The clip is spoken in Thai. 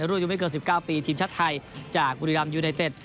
รุ่นอายุไม่เกิน๑๙ปีทีมชาติไทยจากบุรีรัมยูไนเต็ด